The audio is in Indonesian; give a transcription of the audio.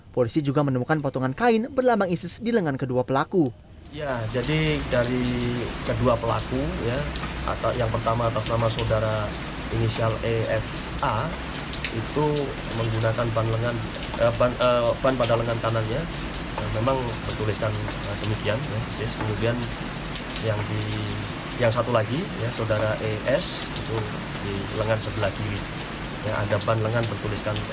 polisi juga menemukan potongan kain berlambang isis di lengan kedua pelaku